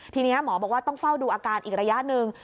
ทีนี้หมอบอกว่าต้องเฝ้าดูอาการอีกระยะหนึ่ง